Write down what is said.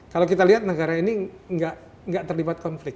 kalau kita lihat negara ini tidak terlibat konflik